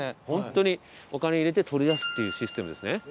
ホントにお金入れて取り出すっていうシステムですね。